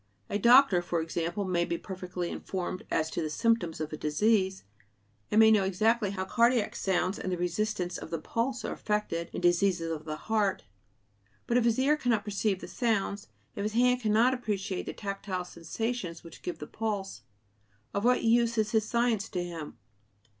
A doctor, for example, may be perfectly informed as to the symptoms of a disease, and may know exactly how cardiac sounds and the resistance of the pulse are affected in diseases of the heart; but if his ear cannot perceive the sounds, if his hand cannot appreciate the tactile sensations which give the pulse, of what use is his science to him?